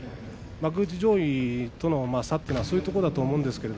幕内上位との差というのはそういうところだと思うんです。